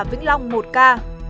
vĩnh long một ca